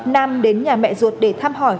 nam đến nhà mẹ ruột để thăm hỏi